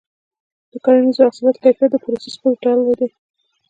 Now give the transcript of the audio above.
د کرنیزو حاصلاتو کیفیت د پروسس پورې تړلی دی.